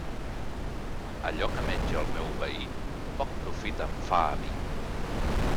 Allò que menja el meu veí, poc profit em fa a mi.